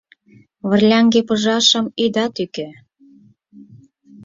Вырляҥге пыжашым ида тӱкӧ, -